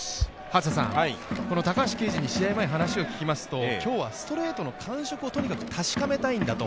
高橋奎二に試合前に話を聞きますと、今日はストレートの感触を確かめたいんだと。